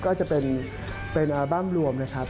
ก็จะเป็นอัลบั้มรวมนะครับ